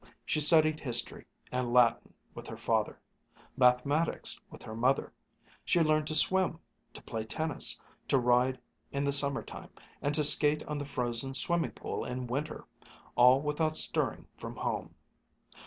She studied history and Latin with her father; mathematics with her mother. She learned to swim, to play tennis, to ride in the summer time, and to skate on the frozen swimming pool in winter, all without stirring from home.